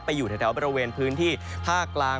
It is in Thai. อยู่แถวบริเวณพื้นที่ภาคกลาง